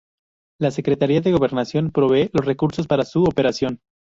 La Secretaria de Gobernación provee los recursos para su operación.